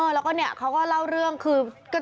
แล้วก็เนี่ยเขาก็เล่าเรื่องคือ